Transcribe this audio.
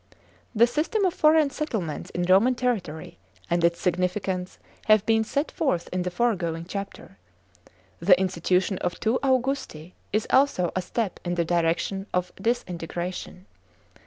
(5) The system of foreign settlements in Roman territory, and its significance have been set forth in the foregoing chapter. (6) The institution of two Augusti k also a step in the direction of disintegration.